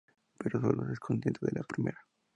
Pero sólo es consciente de la primera.